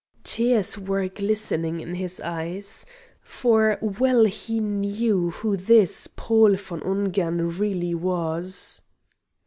Tears were glistening in his eyes. For well he knew who this Paul von Ungern really was.